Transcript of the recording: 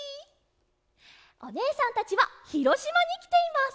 おねえさんたちはひろしまにきています！